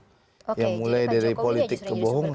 oke jadi pak jokowi yang disuruh jadi sumber kegaduhan